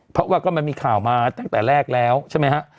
เพราะว่าก็มันมีข่าวมาตั้งแต่แรกแล้วใช่ไหมฮะ